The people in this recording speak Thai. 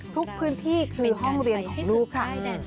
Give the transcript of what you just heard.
ทุกพื้นที่คือห้องเรียนของลูกค่ะ